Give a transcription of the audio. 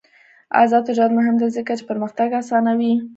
آزاد تجارت مهم دی ځکه چې پرمختګ اسانوي.